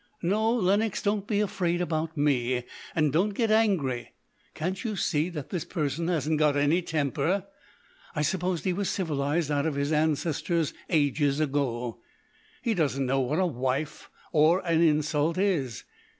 "No, Lenox, don't be afraid about me, and don't get angry. Can't you see that this person hasn't got any temper? I suppose it was civilised out of his ancestors ages ago. He doesn't know what a wife or an insult is.